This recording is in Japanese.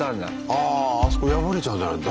ああそこ破れちゃうじゃない。